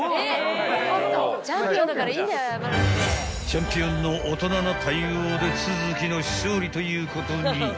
［チャンピオンの大人な対応で都築の勝利ということに］